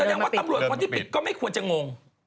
แสดงว่าตำรวจคนที่ปิดก็ไม่ควรจะงง